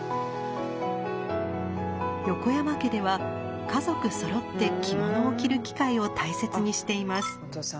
横山家では家族そろって着物を着る機会を大切にしています。